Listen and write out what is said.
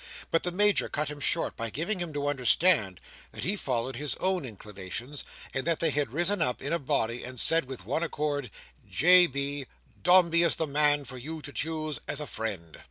But the Major cut him short by giving him to understand that he followed his own inclinations, and that they had risen up in a body and said with one accord, "J. B., Dombey is the man for you to choose as a friend."